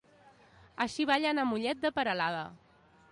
Així ballen a Mollet de Peralada.